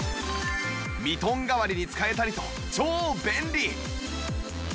ミトン代わりに使えたりと超便利